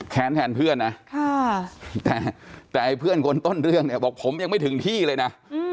แทนเพื่อนนะแต่ไอ้เพื่อนคนต้นเรื่องเนี่ยบอกผมยังไม่ถึงที่เลยนะ